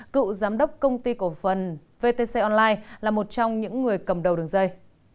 cựu giám đốc công ty cổ phần vtc online là một trong những người cầm đầu đường dây